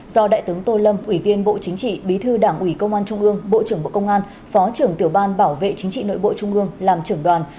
do đại tướng tô lâm ủy viên bộ chính trị bí thư đảng ủy công an trung ương bộ trưởng bộ công an phó trưởng tiểu ban bảo vệ chính trị nội bộ trung ương làm trưởng đoàn